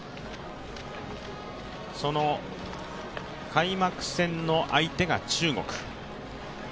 開幕戦の相手が中国。